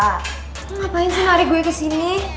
lo ngapain sih narik gue kesini